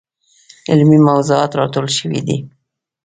علمي موضوعات راټول شوي دي.